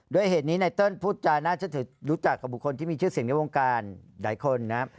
ด้วยเหตุนี้ไหนเติ้ลพูดจะรู้จักกับบุคคลที่มีชื่อเสียงใบโวงการหลายคนนะฮะ